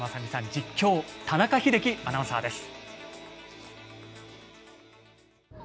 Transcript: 実況、田中秀樹アナウンサーです。